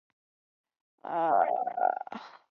贾让是西汉著名水利家。